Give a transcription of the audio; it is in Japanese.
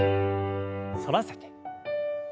反らせて。